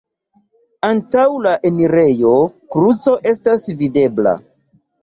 Antaŭ la enirejo kruco estas videbla.